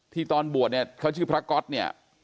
ตอนบวชเนี่ยเขาชื่อพระก๊อตเนี่ย